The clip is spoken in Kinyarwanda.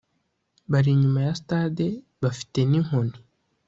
bari inyuma ya stade bafite n’inkoni